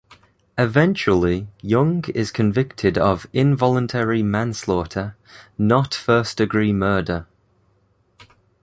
Eventually Young is convicted of involuntary manslaughter, not first degree murder.